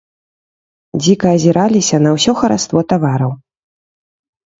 Дзіка азіраліся на ўсё хараство тавараў.